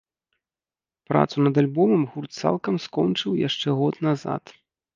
Працу над альбомам гурт цалкам скончыў яшчэ год назад.